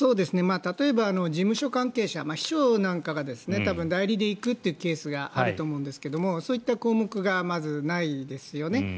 例えば、事務所関係者秘書なんかが多分、代理で行くというケースがあると思うんですけどそういった項目がまずないですよね。